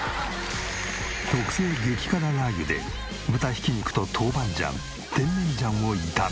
特製激辛ラー油で豚ひき肉と豆板醤甜麺醤を炒め。